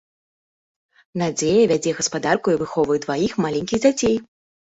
Надзея вядзе гаспадарку і выхоўвае дваіх маленькіх дзяцей.